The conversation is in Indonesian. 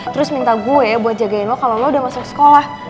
terus minta gue ya buat jagain lo kalau lo udah masuk sekolah